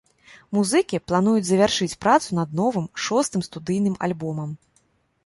Музыкі плануюць завяршыць працу над новым, шостым студыйным альбомам.